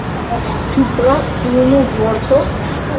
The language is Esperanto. Ĉu pro unu vorto?